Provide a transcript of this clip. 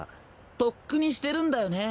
とっくにしてるんだよね